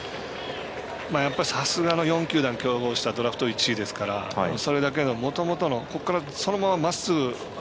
さすが４球団、競合したドラフト１位ですからそれだけにもともとのそのまま、まっすぐ。